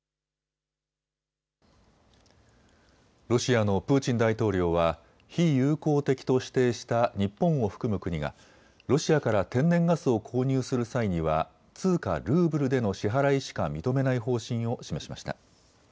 ロシアのプーチン大統領は非友好的と指定した日本を含む国がロシアから天然ガスを購入する際には通貨ルーブルでの支払いしか認めない方針を示しました。